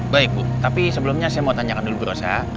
baik bu tapi sebelumnya saya mau tanyakan dulu bu rosa